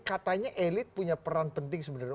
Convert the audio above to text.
katanya elit punya peran penting sebenarnya